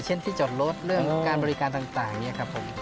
เช่นที่จอดรถเรื่องการบริการต่างอย่างนี้ครับผม